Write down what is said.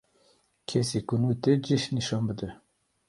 Kesî ku nû tê cih nişan bide